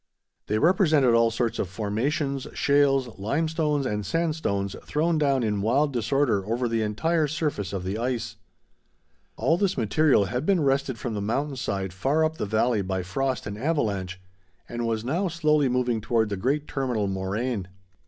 They represented all sorts of formations, shales, limestones, and sandstones thrown down in wild disorder over the entire surface of the ice. All this material had been wrested from the mountain side far up the valley by frost and avalanche, and was now slowly moving toward the great terminal moraine.